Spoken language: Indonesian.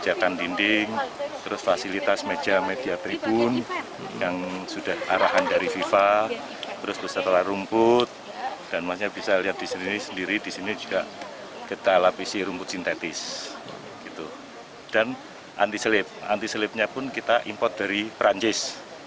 antisleep antisleepnya pun kita import dari perancis